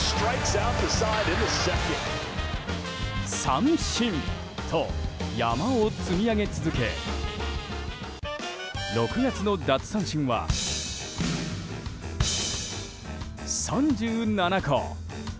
三振と山を積み上げ続け６月の奪三振は３７個。